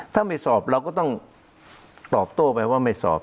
ถ้าไม่สอบเราก็ต้องตอบโต้ไปว่าไม่สอบ